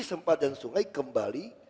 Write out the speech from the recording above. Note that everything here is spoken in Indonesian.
sempadan sungai kembali